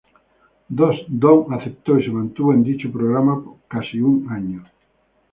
Don aceptó y se mantuvo en dicho programa por casi un año.